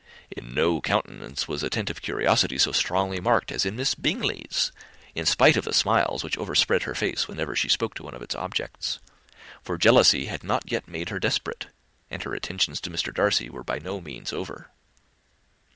In no countenance was attentive curiosity so strongly marked as in Miss Bingley's, in spite of the smiles which overspread her face whenever she spoke to one of its objects; for jealousy had not yet made her desperate, and her attentions to Mr. Darcy were by no means over.